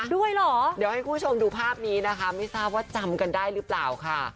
เดี๋ยวให้คู่ชมดูภาพนี้นะคะไม่ทราบว่าจำกันได้หรือเปล่าค่ะ